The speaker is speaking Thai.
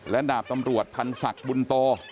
และดาบตำรวจพันศักดิ์บุญโต